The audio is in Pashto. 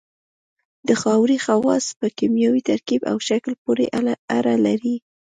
د خاورې خواص په کیمیاوي ترکیب او شکل پورې اړه لري